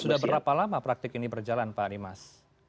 sudah berapa lama praktik ini berjalan pak dimas